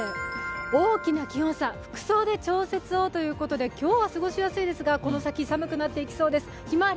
大きな気温差、服装で調節をということで今日は過ごしやすいですが、この先寒くなっていきそうです。